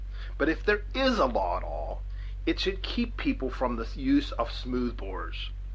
but if there is a law at all, it should be to keep people from the use of smooth bores.